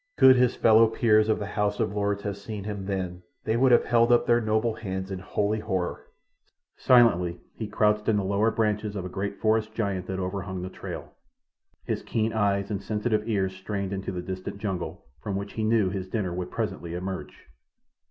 Could his fellow peers of the House of Lords have seen him then they would have held up their noble hands in holy horror. Silently he crouched in the lower branches of a great forest giant that overhung the trail, his keen eyes and sensitive ears strained into the distant jungle, from which he knew his dinner would presently emerge.